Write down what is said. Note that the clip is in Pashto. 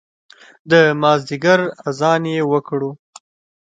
د مازدیګر اذان یې وکړو